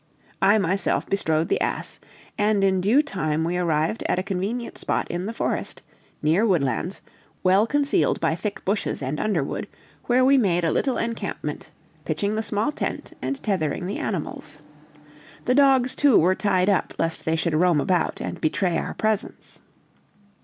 I myself bestrode the ass, and in due time we arrived at a convenient spot in the forest, near Woodlands, well concealed by thick bushes and underwood, where we made a little encampment, pitching the small tent, and tethering the animals. The dogs, too, were tied up, lest they should roam about and betray our presence.